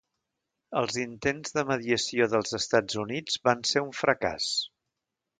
Els intents de mediació dels Estats Units van ser un fracàs.